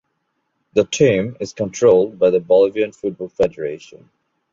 The team is controlled by the Bolivian Football Federation.